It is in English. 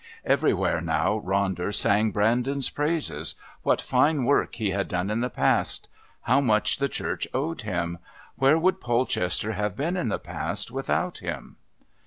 Everywhere now Ronder sang Brandon's praises what fine work he had done in the past, how much the Church owed him; where would Polchester have been in the past without him?